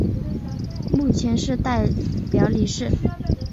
目前是的代表理事。